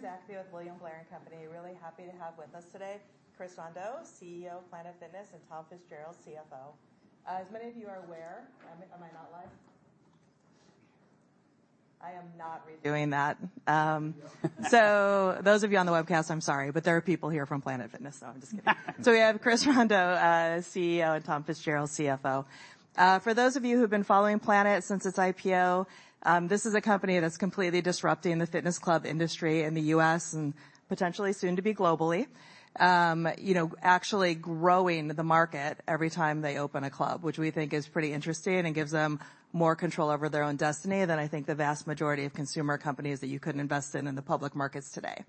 Sharon Zachary with William Blair and Company. Really happy to have with us today, Chris Rondeau, CEO of Planet Fitness, and Tom Fitzgerald, CFO. As many of you are aware, am I not live? I am not doing that. Those of you on the webcast, I'm sorry, but there are people here from Planet Fitness, so I'm just kidding. We have Chris Rondeau, CEO, and Tom Fitzgerald, CFO. For those of you who've been following Planet since its IPO, this is a company that's completely disrupting the fitness club industry in the US and potentially soon to be globally, actually growing the market every time they open a club, which we think is pretty interesting and gives them more control over their own destiny than I think the vast majority of consumer companies that you could invest in in the public markets today.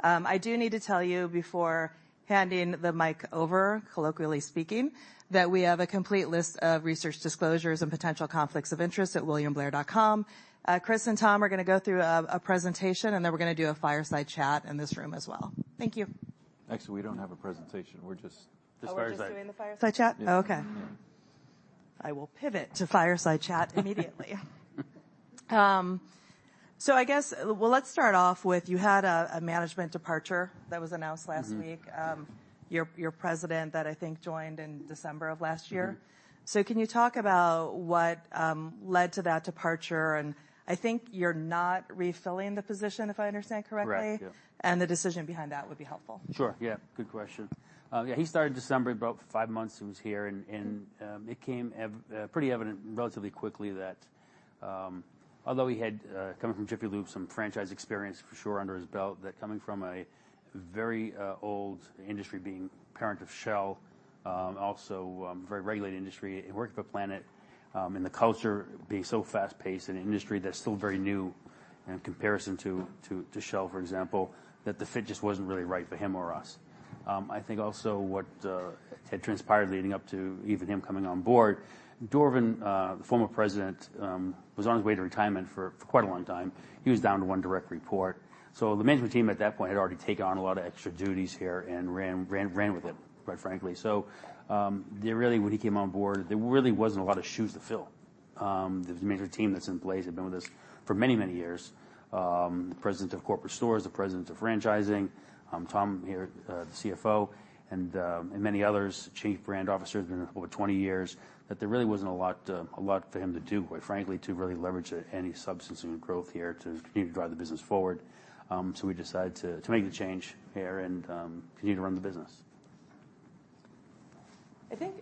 I do need to tell you before handing the mic over, colloquially speaking, that we have a complete list of research disclosures and potential conflicts of interest at williamblair.com. Chris and Tom are going to go through a presentation, and then we're going to do a fireside chat in this room as well. Thank you. Actually, we don't have a presentation. We're just fireside chat. Oh, just doing the fireside chat? Yeah. Okay. I will pivot to fireside chat immediately. I guess, let's start off with you had a management departure that was announced last week. Your President, that I think joined in December of last year. Can you talk about what led to that departure? I think you're not refilling the position, if I understand correctly. Right, yeah. The decision behind that would be helpful. Sure, yeah. Good question. Yeah, he started in December. About five months he was here. It became pretty evident relatively quickly that, although he had, coming from Jiffy Lube, some franchise experience for sure under his belt, that coming from a very old industry, being parent of Shell, also a very regulated industry, working for Planet in the culture being so fast-paced and an industry that's still very new in comparison to Shell, for example, that the fit just was not really right for him or us. I think also what had transpired leading up to even him coming on board, Dorvin, the former president, was on his way to retirement for quite a long time. He was down to one direct report. The management team at that point had already taken on a lot of extra duties here and ran with it, quite frankly. Really, when he came on board, there really was not a lot of shoes to fill. The management team that is in place had been with us for many, many years. The President of Corporate Stores, the President of Franchising, Tom here, the CFO, and many others, Chief Brand Officers have been there for over 20 years, that there really was not a lot for him to do, quite frankly, to really leverage any substance in growth here to continue to drive the business forward. We decided to make the change here and continue to run the business. I think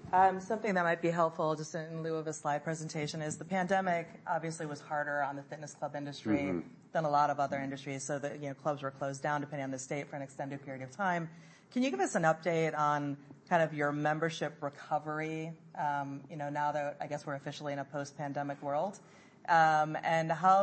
something that might be helpful, just in lieu of a slide presentation, is the pandemic obviously was harder on the fitness club industry than a lot of other industries. The clubs were closed down, depending on the state, for an extended period of time. Can you give us an update on kind of your membership recovery now that I guess we're officially in a post-pandemic world? How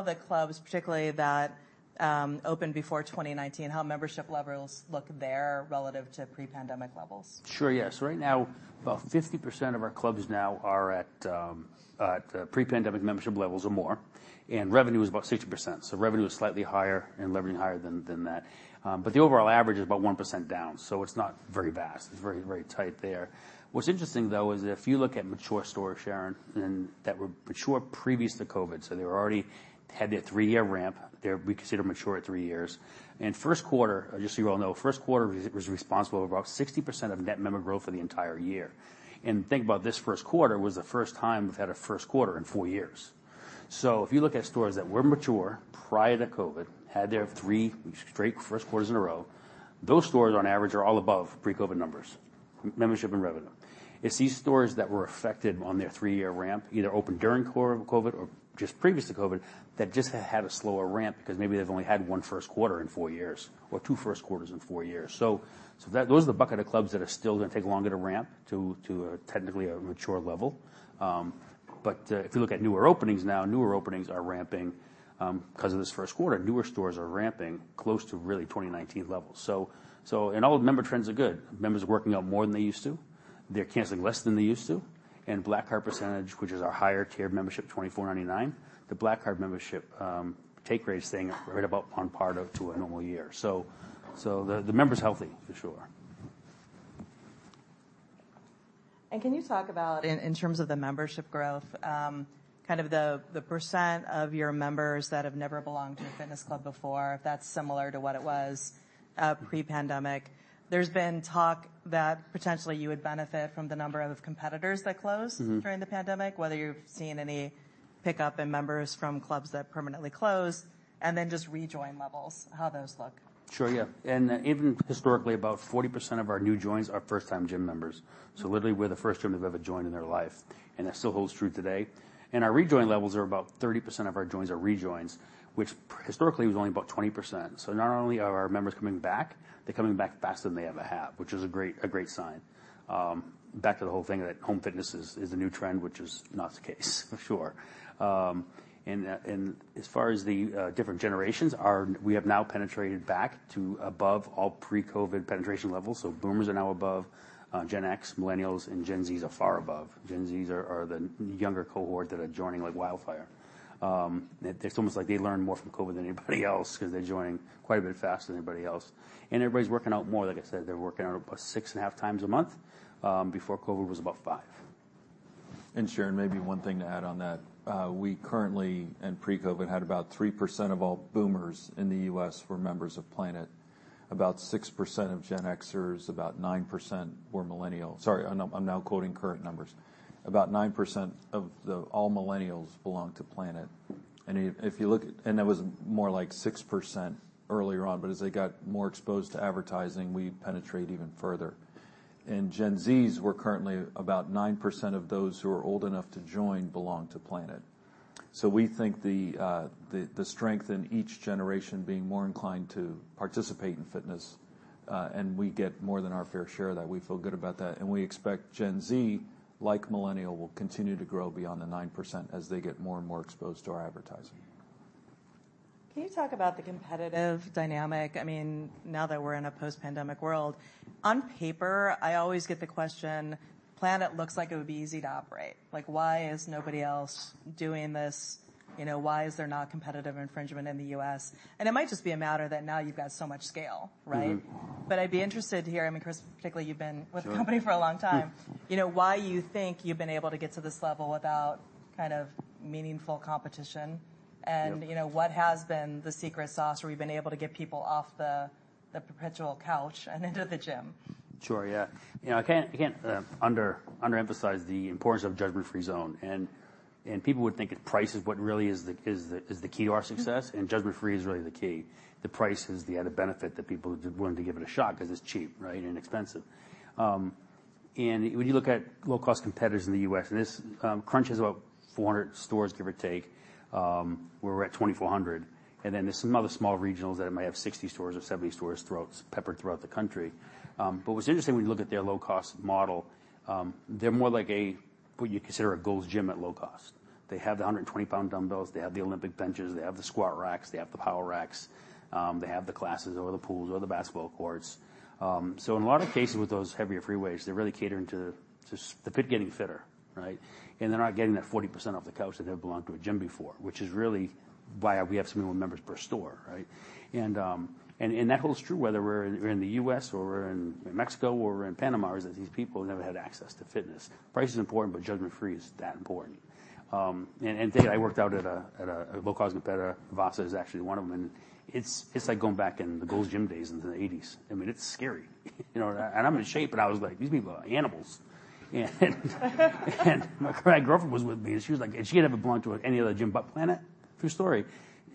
the clubs, particularly that opened before 2019, how membership levels look there relative to pre-pandemic levels? Sure, yes. Right now, about 50% of our clubs now are at pre-pandemic membership levels or more. Revenue is about 60%. Revenue is slightly higher and revenue higher than that. The overall average is about 1% down. It is not very vast. It is very, very tight there. What's interesting, though, is if you look at mature stores, Sharon, and that were mature previous to COVID. They already had their three-year ramp. They are considered mature at three years. First quarter, just so you all know, first quarter was responsible for about 60% of net member growth for the entire year. Think about this, first quarter was the first time we've had a first quarter in four years. If you look at stores that were mature prior to COVID, had their three straight first quarters in a row, those stores, on average, are all above pre-COVID numbers, membership and revenue. It's these stores that were affected on their three-year ramp, either opened during COVID or just previous to COVID, that just had a slower ramp because maybe they've only had one first quarter in four years or two first quarters in four years. Those are the bucket of clubs that are still going to take longer to ramp to technically a mature level. If you look at newer openings now, newer openings are ramping because of this first quarter. Newer stores are ramping close to really 2019 levels. In all, the member trends are good. Members are working out more than they used to. They're canceling less than they used to. Black Card percentage, which is our higher tiered membership, $24.99. The Black Card membership take rate is staying right about on par to a normal year. So the member's healthy, for sure. Can you talk about, in terms of the membership growth, kind of the percent of your members that have never belonged to a fitness club before, if that's similar to what it was pre-pandemic? There's been talk that potentially you would benefit from the number of competitors that closed during the pandemic, whether you've seen any pickup in members from clubs that permanently closed, and then just rejoin levels, how those look. Sure, yeah. Even historically, about 40% of our new joins are first-time gym members. Literally, we are the first gym they have ever joined in their life. That still holds true today. Our rejoin levels are about 30% of our joins are rejoins, which historically was only about 20%. Not only are our members coming back, they are coming back faster than they ever have, which is a great sign. Back to the whole thing that home fitness is a new trend, which is not the case, for sure. As far as the different generations, we have now penetrated back to above all pre-COVID penetration levels. Boomers are now above. Gen X, millennials, and Gen Zs are far above. Gen Zs are the younger cohort that are joining like wildfire. It's almost like they learn more from COVID than anybody else because they're joining quite a bit faster than anybody else. Everybody's working out more. Like I said, they're working out about six and a half times a month. Before COVID, it was about five. Sharon, maybe one thing to add on that. We currently, and pre-COVID, had about 3% of all boomers in the U.S. were members of Planet Fitness. About 6% of Gen Xers, about 9% were millennials. Sorry, I'm now quoting current numbers. About 9% of all millennials belong to Planet Fitness. If you look at, and that was more like 6% earlier on, but as they got more exposed to advertising, we penetrate even further. Gen Zs were currently about 9% of those who are old enough to join belong to Planet Fitness. We think the strength in each generation being more inclined to participate in fitness, and we get more than our fair share of that. We feel good about that. We expect Gen Z, like millennial, will continue to grow beyond the 9% as they get more and more exposed to our advertising. Can you talk about the competitive dynamic? I mean, now that we're in a post-pandemic world, on paper, I always get the question, Planet looks like it would be easy to operate. Like, why is nobody else doing this? Why is there not competitive infringement in the U.S.? It might just be a matter that now you've got so much scale, right? I'd be interested to hear, I mean, Chris, particularly, you've been with the company for a long time, why you think you've been able to get to this level without kind of meaningful competition? What has been the secret sauce where we've been able to get people off the perpetual couch and into the gym? Sure, yeah. I can't underemphasize the importance of a judgment-free zone. People would think that price is what really is the key to our success. Judgment-free is really the key. The price is the added benefit that people are willing to give it a shot because it's cheap, right, and inexpensive. When you look at low-cost competitors in the U.S., and this Crunch is about 400 stores, give or take, where we're at 2,400. There are some other small regionals that might have 60 stores or 70 stores peppered throughout the country. What's interesting, when you look at their low-cost model, they're more like what you consider a Gold's Gym at low cost. They have the 120 lb dumbbells. They have the Olympic benches. They have the squat racks. They have the power racks. They have the classes or the pools or the basketball courts. In a lot of cases with those heavier freeweights, they're really catering to the fit getting fitter, right? They're not getting that 40% off the couch that have belonged to a gym before, which is really why we have so many members per store, right? That holds true whether we're in the U.S. or we're in Mexico or we're in Panama, or that these people never had access to fitness. Price is important, but judgment-free is that important. I worked out at a low-cost competitor. Vasa is actually one of them. It's like going back in the Gold's Gym days in the 1980s. I mean, it's scary. I'm in shape, and I was like, these people are animals. My girlfriend was with me, and she was like, and she had never belonged to any other gym but planet true story.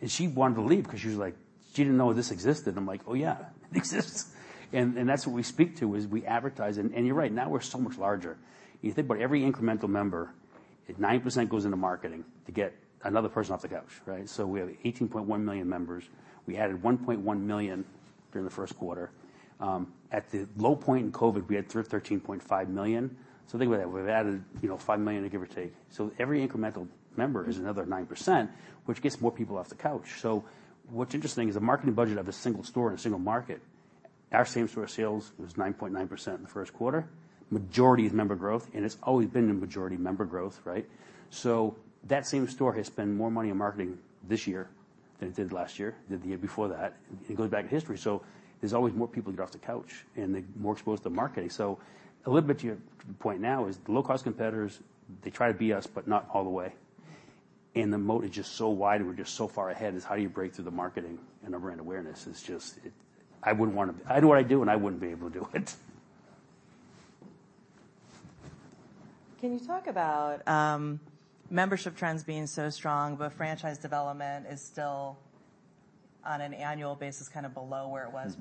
She wanted to leave because she was like, she did not know this existed. I am like, oh yeah, it exists. That is what we speak to, is we advertise. You are right. Now we are so much larger. You think about every incremental member, 9% goes into marketing to get another person off the couch, right? We have 18.1 million members. We added 1.1 million during the first quarter. At the low point in COVID, we had 13.5 million. Think about that. We have added 5 million, give or take. Every incremental member is another 9%, which gets more people off the couch. What is interesting is the marketing budget of a single store in a single market, our same store sales was 9.9% in the first quarter, majority is member growth, and it has always been a majority member growth, right? That same store has spent more money on marketing this year than it did last year, than the year before that. It goes back in history. There are always more people to get off the couch, and they are more exposed to marketing. A little bit to your point now is the low-cost competitors, they try to beat us, but not all the way. The moat is just so wide, and we are just so far ahead. How do you break through the marketing and the brand awareness? I would not want to. I know what I do, and I would not be able to do it. Can you talk about membership trends being so strong, but franchise development is still on an annual basis kind of below where it was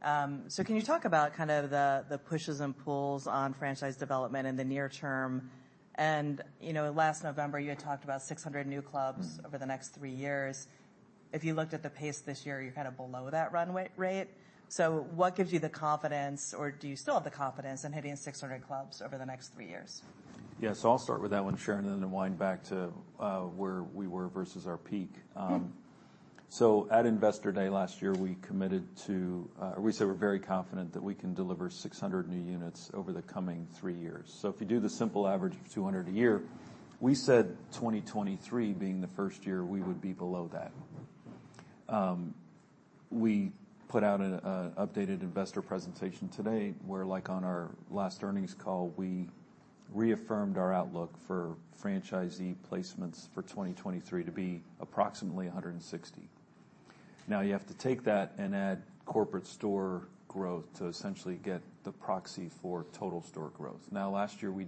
pre-pandemic? Can you talk about kind of the pushes and pulls on franchise development in the near term? Last November, you had talked about 600 new clubs over the next three years. If you looked at the pace this year, you're kind of below that run rate. What gives you the confidence, or do you still have the confidence in hitting 600 clubs over the next three years? Yeah, so I'll start with that one, Sharon, and then wind back to where we were versus our peak. At Investor Day last year, we committed to, or we said we're very confident that we can deliver 600 new units over the coming three years. If you do the simple average of 200 a year, we said 2023 being the first year we would be below that. We put out an updated investor presentation today where, like on our last earnings call, we reaffirmed our outlook for franchisee placements for 2023 to be approximately 160. Now you have to take that and add corporate store growth to essentially get the proxy for total store growth. Last year, we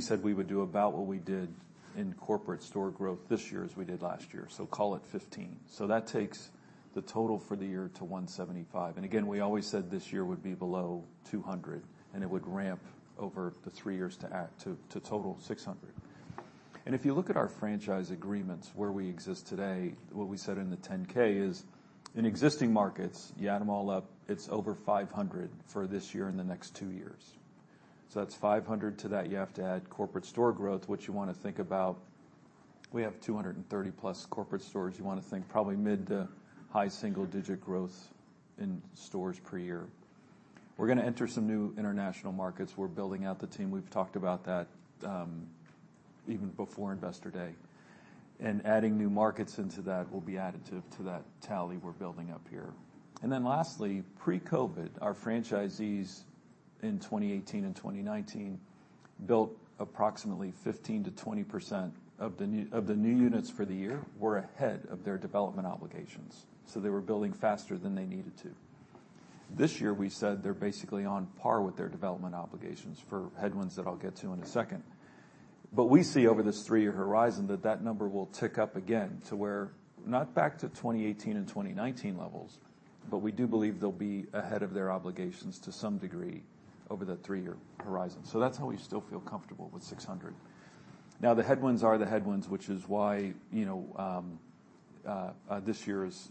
said we would do about what we did in corporate store growth this year as we did last year. Call it 15. That takes the total for the year to 175. Again, we always said this year would be below 200, and it would ramp over the three years to total 600. If you look at our franchise agreements where we exist today, what we said in the 10-K is in existing markets, you add them all up, it's over 500 for this year and the next two years. That is 500 to that. You have to add corporate store growth, which you want to think about. We have 230-plus corporate stores. You want to think probably mid to high single-digit growth in stores per year. We're going to enter some new international markets. We're building out the team. We've talked about that even before Investor Day. Adding new markets into that will be added to that tally we're building up here. Lastly, pre-COVID, our franchisees in 2018 and 2019 built approximately 15%-20% of the new units for the year. They were ahead of their development obligations. They were building faster than they needed to. This year, we said they are basically on par with their development obligations for headwinds that I'll get to in a second. We see over this three-year horizon that that number will tick up again to where not back to 2018 and 2019 levels, but we do believe they will be ahead of their obligations to some degree over that three-year horizon. That is how we still feel comfortable with 600. The headwinds are the headwinds, which is why this year is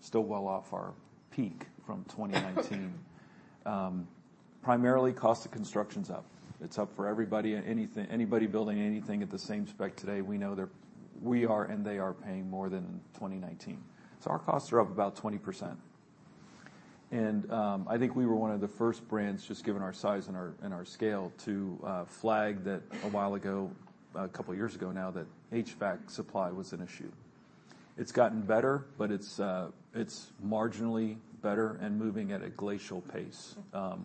still well off our peak from 2019. Primarily, cost of construction is up. It is up for everybody. Anybody building anything at the same spec today, we know that we are and they are paying more than in 2019. Our costs are up about 20%. I think we were one of the first brands, just given our size and our scale, to flag that a while ago, a couple of years ago now, that HVAC supply was an issue. It's gotten better, but it's marginally better and moving at a glacial pace.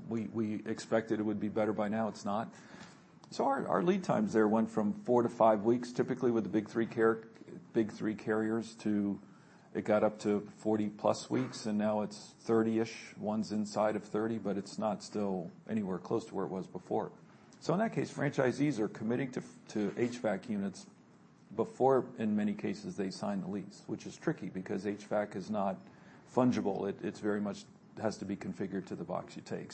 We expected it would be better by now. It's not. Our lead times there went from four to five weeks, typically with the big three carriers, to it got up to 40-plus weeks, and now it's 30-ish, ones inside of 30, but it's not still anywhere close to where it was before. In that case, franchisees are committing to HVAC units before in many cases they sign the lease, which is tricky because HVAC is not fungible. It very much has to be configured to the box you take.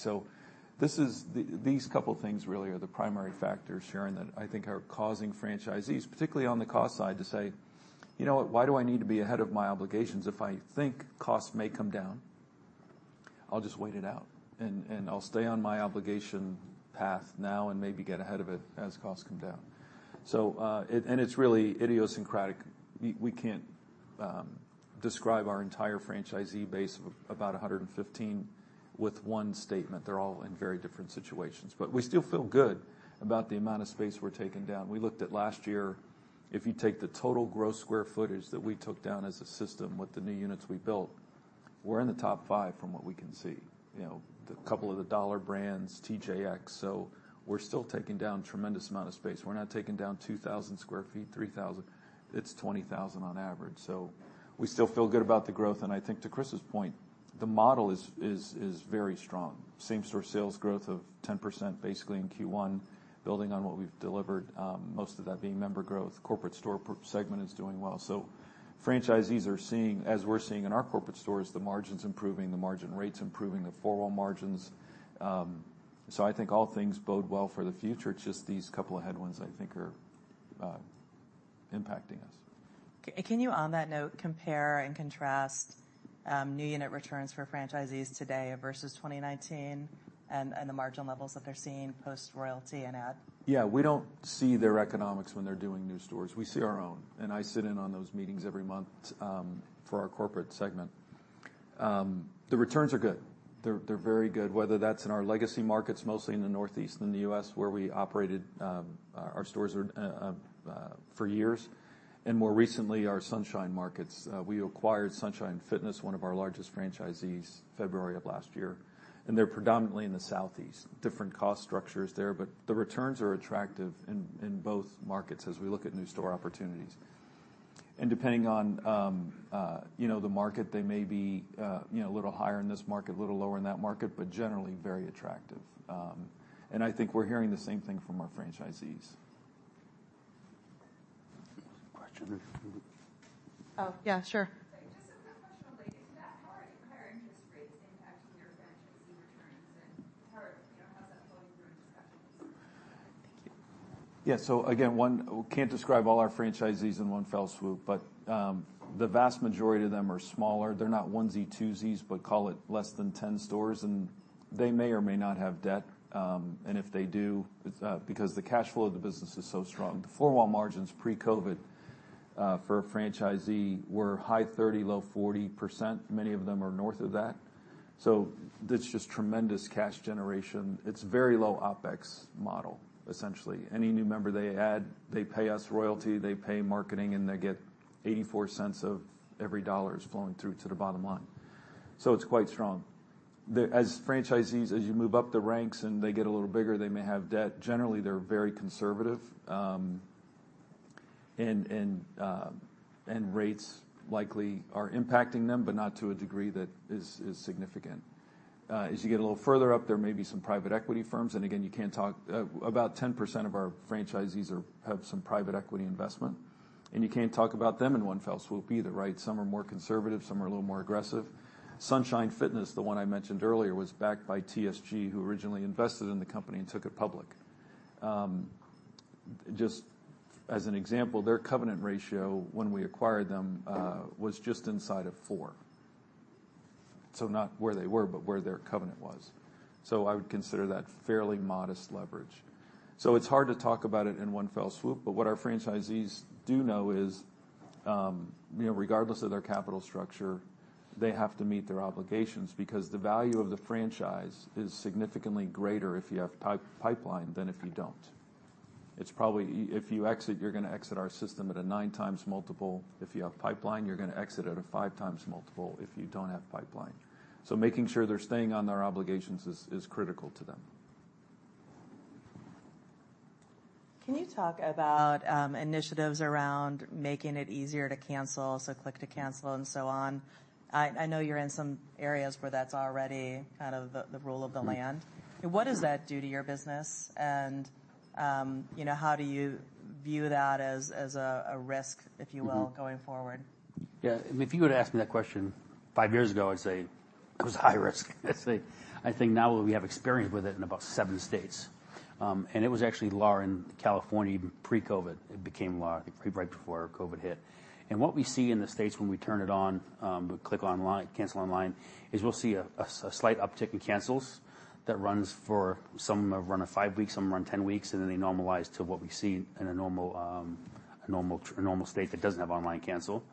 These couple of things really are the primary factors, Sharon, that I think are causing franchisees, particularly on the cost side, to say, you know what, why do I need to be ahead of my obligations? If I think costs may come down, I'll just wait it out. I'll stay on my obligation path now and maybe get ahead of it as costs come down. It's really idiosyncratic. We can't describe our entire franchisee base of about 115 with one statement. They're all in very different situations. We still feel good about the amount of space we're taking down. We looked at last year, if you take the total gross square footage that we took down as a system with the new units we built, we're in the top five from what we can see. A couple of the dollar brands, TJX. We are still taking down a tremendous amount of space. We are not taking down 2,000 sq ft, 3,000. It is 20,000 on average. We still feel good about the growth. I think to Chris's point, the model is very strong. Same-store sales growth of 10% basically in Q1, building on what we've delivered, most of that being member growth. Corporate store segment is doing well. Franchisees are seeing, as we are seeing in our corporate stores, the margins improving, the margin rates improving, the four-wall margins. I think all things bode well for the future. It's just these couple of headwinds I think are impacting us. Can you on that note compare and contrast new unit returns for franchisees today versus 2019 and the margin levels that they're seeing post-royalty and ad? Yeah, we do not see their economics when they are doing new stores. We see our own. I sit in on those meetings every month for our corporate segment. The returns are good. They are very good, whether that is in our legacy markets, mostly in the Northeast and the U.S., where we operated our stores for years. More recently, our Sunshine markets. We acquired Sunshine Fitness, one of our largest franchisees, February of last year. They are predominantly in the Southeast. Different cost structures there, but the returns are attractive in both markets as we look at new store opportunities. Depending on the market, they may be a little higher in this market, a little lower in that market, but generally very attractive. I think we are hearing the same thing from our franchisees. Question? Oh, yeah, sure. Just a quick question related to that. How are your higher interest rates impacting your franchisee returns? How's that flowing through in discussions? Thank you. Yeah, so again, one can't describe all our franchisees in one fell swoop, but the vast majority of them are smaller. They're not onesies, twosies, but call it less than 10 stores. They may or may not have debt. If they do, because the cash flow of the business is so strong. The four-wall margins pre-COVID for a franchisee were high 30%-low 40%. Many of them are north of that. It is just tremendous cash generation. It is a very low OpEx model, essentially. Any new member they add, they pay us royalty, they pay marketing, and they get $0.84 of every dollar is flowing through to the bottom line. It is quite strong. As franchisees, as you move up the ranks and they get a little bigger, they may have debt. Generally, they're very conservative. Rates likely are impacting them, but not to a degree that is significant. As you get a little further up, there may be some private equity firms. Again, you can't talk about 10% of our franchisees have some private equity investment. You can't talk about them in one fell swoop either, right? Some are more conservative. Some are a little more aggressive. Sunshine Fitness, the one I mentioned earlier, was backed by TSG, who originally invested in the company and took it public. Just as an example, their covenant ratio when we acquired them was just inside of four. Not where they were, but where their covenant was. I would consider that fairly modest leverage. It's hard to talk about it in one fell swoop, but what our franchisees do know is regardless of their capital structure, they have to meet their obligations because the value of the franchise is significantly greater if you have pipeline than if you do not. If you exit, you're going to exit our system at a nine-times multiple. If you have pipeline, you're going to exit at a five-times multiple if you do not have pipeline. Making sure they're staying on their obligations is critical to them. Can you talk about initiatives around making it easier to cancel, so click to cancel and so on? I know you're in some areas where that's already kind of the rule of the land. What does that do to your business? How do you view that as a risk, if you will, going forward? Yeah. If you were to ask me that question five years ago, I'd say it was high risk. I'd say I think now we have experience with it in about seven states. It was actually law in California even pre-COVID. It became law right before COVID hit. What we see in the states when we turn it on, click online, cancel online, is we'll see a slight uptick in cancels that runs for some run five weeks, some run 10 weeks, and then they normalize to what we see in a normal state that doesn't have online cancel.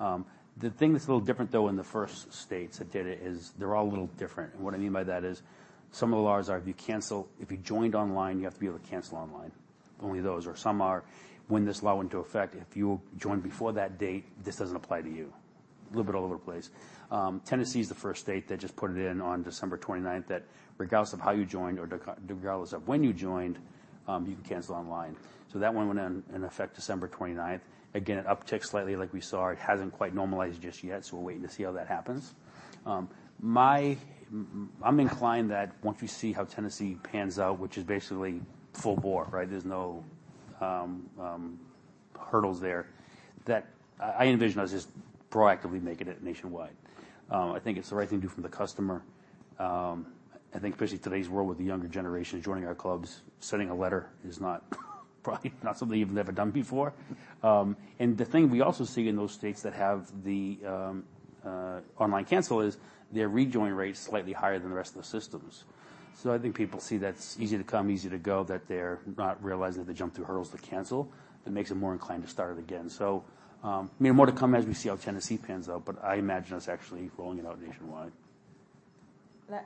The thing that's a little different, though, in the first states that did it is they're all a little different. What I mean by that is some of the laws are if you cancel, if you joined online, you have to be able to cancel online. Only those are some are when this law went into effect, if you joined before that date, this does not apply to you. A little bit all over the place. Tennessee is the first state that just put it in on December 29 that regardless of how you joined or regardless of when you joined, you can cancel online. That one went in effect December 29. Again, it upticked slightly like we saw. It has not quite normalized just yet, so we are waiting to see how that happens. I am inclined that once we see how Tennessee pans out, which is basically full bore, right? There are no hurdles there, that I envision us just proactively making it nationwide. I think it is the right thing to do from the customer. I think especially today's world with the younger generation joining our clubs, sending a letter is probably not something you have ever done before. The thing we also see in those states that have the online cancel is their rejoin rate is slightly higher than the rest of the systems. I think people see that's easy to come, easy to go, that they're not realizing that they jumped through hurdles to cancel. That makes them more inclined to start it again. More to come as we see how Tennessee pans out, but I imagine us actually rolling it out nationwide.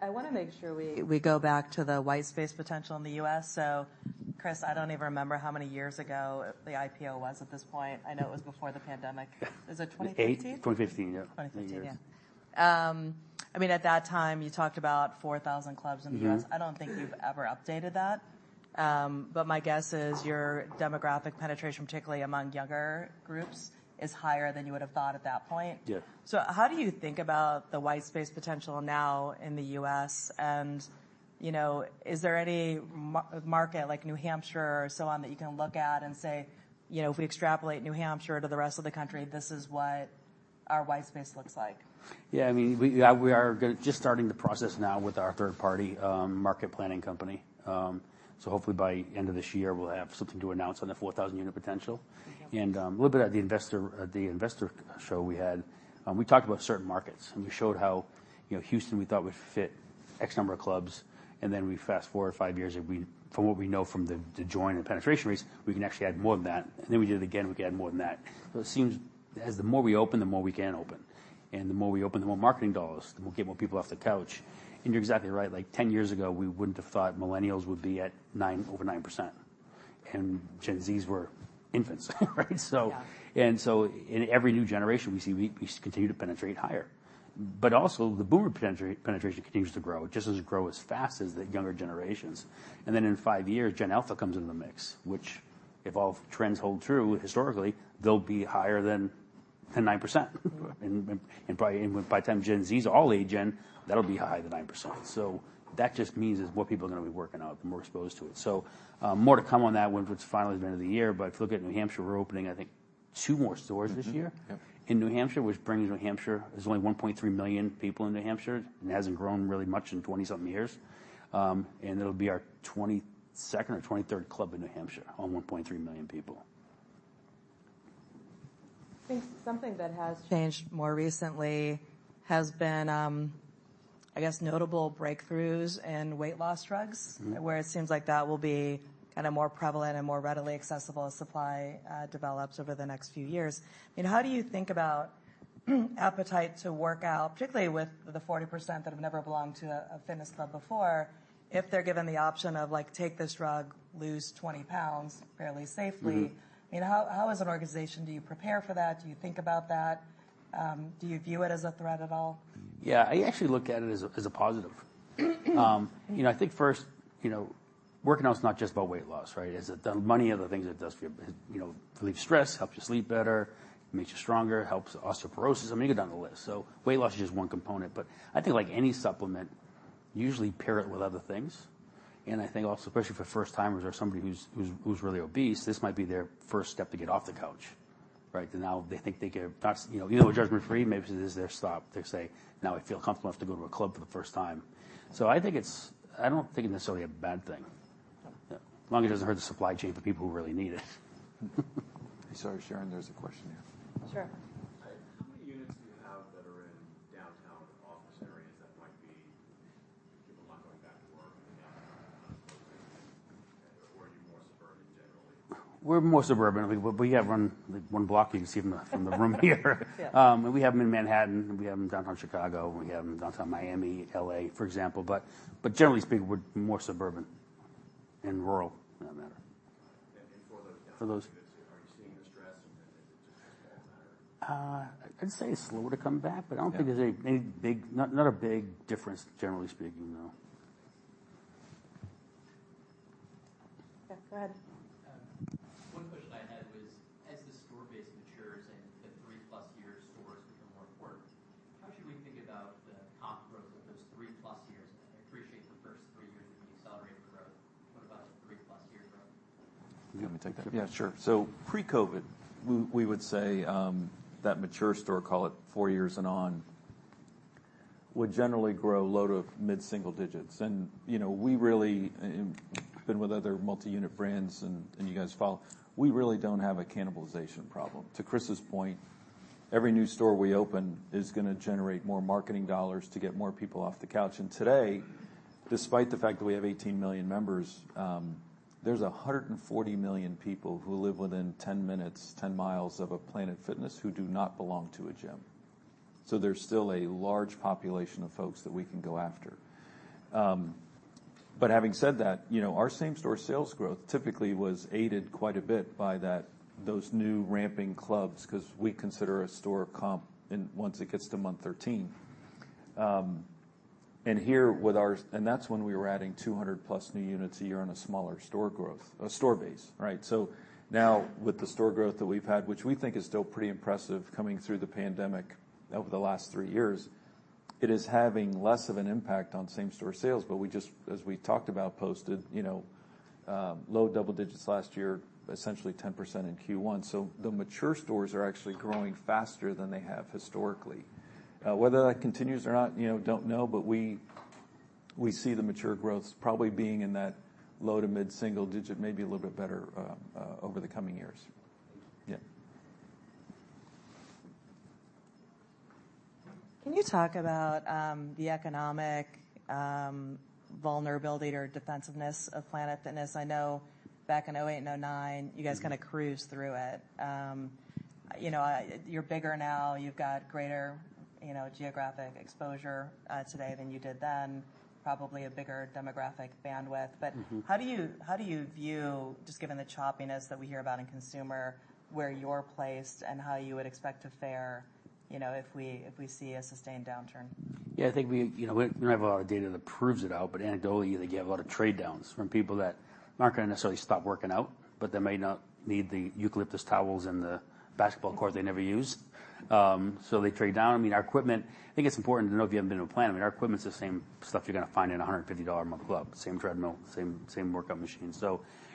I want to make sure we go back to the white space potential in the U.S.. Chris, I do not even remember how many years ago the IPO was at this point. I know it was before the pandemic. Is it 2018? 2015, yeah. 2015, yeah. I mean, at that time, you talked about 4,000 clubs in the U.S. I don't think you've ever updated that. My guess is your demographic penetration, particularly among younger groups, is higher than you would have thought at that point. How do you think about the white space potential now in the U.S.? Is there any market like New Hampshire or so on that you can look at and say, if we extrapolate New Hampshire to the rest of the country, this is what our white space looks like? Yeah, I mean, we are just starting the process now with our third-party market planning company. Hopefully by the end of this year, we'll have something to announce on the 4,000-unit potential. A little bit at the investor show we had, we talked about certain markets. We showed how Houston we thought would fit X number of clubs. We fast forward five years. From what we know from the join and penetration rates, we can actually add more than that. We did it again. We could add more than that. It seems as the more we open, the more we can open. The more we open, the more marketing dollars, the more we get more people off the couch. You're exactly right. Like 10 years ago, we wouldn't have thought millennials would be at over 9%. Gen Zs were infants, right? In every new generation, we see we continue to penetrate higher. Also, the boomer penetration continues to grow. It just does not grow as fast as the younger generations. In five years, Gen Alpha comes into the mix, which if all trends hold true historically, they will be higher than 9%. By the time Gen Zs all age in, that will be higher than 9%. That just means what people are going to be working on, the more exposed to it. More to come on that when it is finally the end of the year. If you look at New Hampshire, we are opening, I think, two more stores this year. In New Hampshire, which brings New Hampshire, there are only 1.3 million people in New Hampshire. It has not grown really much in 20-something years. It'll be our 22nd or 23rd club in New Hampshire on 1.3 million people. I think something that has changed more recently has been, I guess, notable breakthroughs in weight loss drugs, where it seems like that will be kind of more prevalent and more readily accessible as supply develops over the next few years. How do you think about appetite to work out, particularly with the 40% that have never belonged to a fitness club before, if they're given the option of, take this drug, lose 20 pounds fairly safely? How as an organization do you prepare for that? Do you think about that? Do you view it as a threat at all? Yeah, I actually look at it as a positive. I think first, working out is not just about weight loss, right? The money or the things that does relieve stress, helps you sleep better, makes you stronger, helps osteoporosis. I mean, you could go down the list. Weight loss is just one component. I think like any supplement, usually pair it with other things. I think also, especially for first-timers or somebody who's really obese, this might be their first step to get off the couch, right? Now they think they can, not even with judgment free, maybe this is their stop. They say, now I feel comfortable enough to go to a club for the first time. I think it's, I don't think it's necessarily a bad thing, as long as it doesn't hurt the supply chain for people who really need it. I'm sorry, Sharon, there's a question here. Sure. How many units do you have that are in downtown office areas that might be people not going back to work in the downtown? Or are you more suburban generally? We're more suburban. We have one block, you can see from the room here. And we have them in Manhattan. We have them downtown Chicago. We have them downtown Miami, LA, for example. Generally speaking, we're more suburban and rural in that matter. For those downtown units, are you seeing the stress? Does it just all matter? I'd say it's slow to come back, but I don't think there's any big, not a big difference, generally speaking, though. Go ahead. One question I had was, as the store base matures and the three-plus-year stores become more important, how should we think about the comp growth of those three-plus years? I appreciate the first three years of the accelerated growth. What about the three-plus-year growth? You want me to take that? Yeah, sure. So pre-COVID, we would say that mature store, call it four years and on, would generally grow low to mid-single digits. We really have been with other multi-unit brands and you guys follow. We really do not have a cannibalization problem. To Chris's point, every new store we open is going to generate more marketing dollars to get more people off the couch. Today, despite the fact that we have 18 million members, there are 140 million people who live within 10 minutes, 10 miles of a Planet Fitness who do not belong to a gym. There is still a large population of folks that we can go after. Having said that, our same-store sales growth typically was aided quite a bit by those new ramping clubs because we consider a store comp once it gets to month 13. Here with our, and that's when we were adding 200+ new units a year on a smaller store growth, a store base, right? Now with the store growth that we've had, which we think is still pretty impressive coming through the pandemic over the last three years, it is having less of an impact on same-store sales. We just, as we talked about, posted low double digits last year, essentially 10% in Q1. The mature stores are actually growing faster than they have historically. Whether that continues or not, don't know, but we see the mature growth probably being in that low to mid-single digit, maybe a little bit better over the coming years. Yeah. Can you talk about the economic vulnerability or defensiveness of Planet Fitness? I know back in 2008 and 2009, you guys kind of cruised through it. You're bigger now. You've got greater geographic exposure today than you did then, probably a bigger demographic bandwidth. How do you view, just given the choppiness that we hear about in consumer, where you're placed and how you would expect to fare if we see a sustained downturn? Yeah, I think we do not have a lot of data that proves it out, but anecdotally, they get a lot of trade-downs from people that are not going to necessarily stop working out, but they may not need the eucalyptus towels and the basketball court they never use. They trade down. I mean, our equipment, I think it is important to know if you have not been to a Planet. I mean, our equipment is the same stuff you are going to find in a $150 a month club, same treadmill, same workout machine.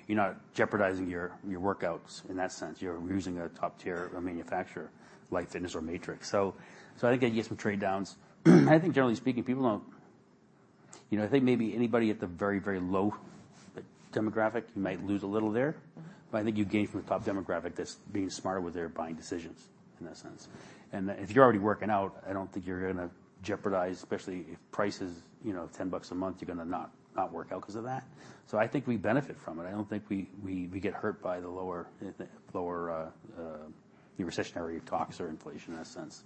You are not jeopardizing your workouts in that sense. You are using a top-tier manufacturer like Life Fitness or Matrix Fitness. I think they get some trade-downs. I think, generally speaking, people do not—I think maybe anybody at the very, very low demographic, you might lose a little there. I think you gain from the top demographic that's being smarter with their buying decisions in that sense. If you're already working out, I don't think you're going to jeopardize, especially if price is $10 a month, you're going to not work out because of that. I think we benefit from it. I don't think we get hurt by the lower recessionary talks or inflation in that sense.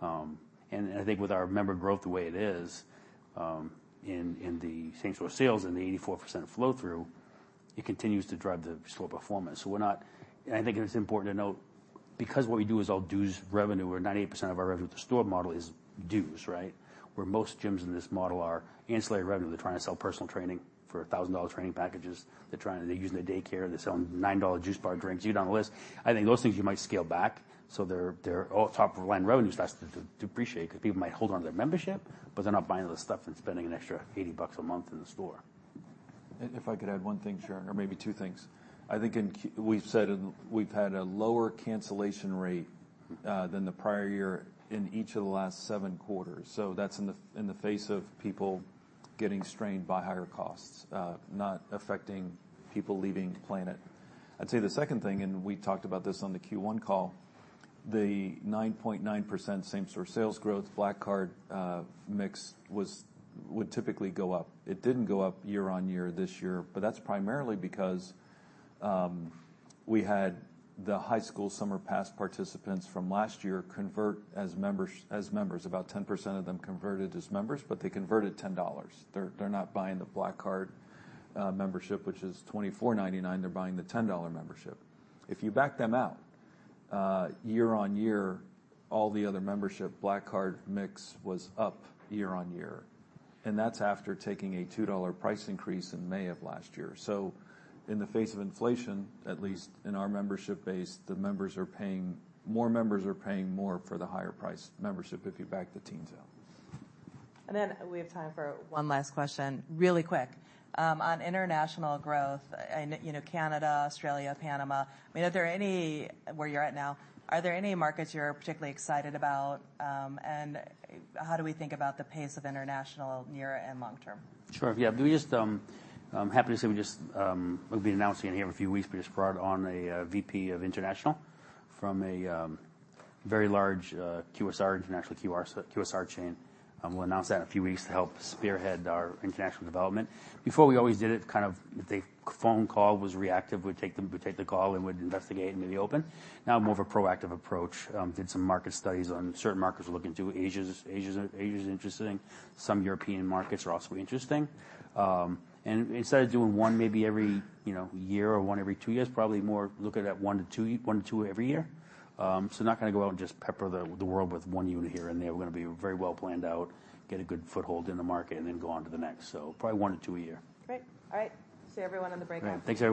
I think with our member growth the way it is in the same-store sales and the 84% flow-through, it continues to drive the store performance. We're not, and I think it's important to note because what we do is all dues revenue, or 98% of our revenue with the store model is dues, right? Where most gyms in this model are ancillary revenue. They're trying to sell personal training for $1,000 training packages. They're using the daycare. They're selling $9 juice bar drinks. You're down the list. I think those things you might scale back. Their top-of-the-line revenue starts to depreciate because people might hold on to their membership, but they're not buying the stuff and spending an extra $80 a month in the store. If I could add one thing, Sharon, or maybe two things. I think we've said we've had a lower cancellation rate than the prior year in each of the last seven quarters. That's in the face of people getting strained by higher costs, not affecting people leaving Planet. I'd say the second thing, and we talked about this on the Q1 call, the 9.9% same-store sales growth, Black Card mix would typically go up. It didn't go up year on year this year, but that's primarily because we had the High School Summer Pass participants from last year convert as members. About 10% of them converted as members, but they converted $10. They're not buying the Black Card membership, which is $24.99. They're buying the $10 membership. If you back them out, year on year, all the other membership, Black Card mix was up year-on-year. That's after taking a $2 price increase in May of last year. In the face of inflation, at least in our membership base, the members are paying more. Members are paying more for the higher-priced membership if you back the teams out. We have time for one last question, really quick. On international growth, Canada, Australia, Panama, I mean, are there any where you're at now, are there any markets you're particularly excited about? How do we think about the pace of international near and long-term? Sure. Yeah, we just happen to say we just, we've been announcing it here for a few weeks. We just brought on a VP of International from a very large QSR, international QSR chain. We'll announce that in a few weeks to help spearhead our international development. Before, we always did it kind of if the phone call was reactive, we'd take the call and we'd investigate and maybe open. Now, more of a proactive approach. Did some market studies on certain markets we're looking to. Asia's interesting. Some European markets are also interesting. Instead of doing one maybe every year or one every two years, probably more looking at one to two every year. Not going to go out and just pepper the world with one unit here and there. We're going to be very well planned out, get a good foothold in the market, and then go on to the next. Probably one to two a year. Great. All right. See everyone on the break. Thanks.